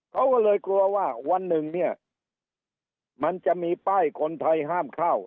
เขาก็เลยกลัวว่าวันหนึ่งเนี่ยมันจะมีป้ายคนไทยห้ามเข้า